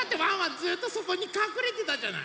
ずっとそこにかくれてたじゃない。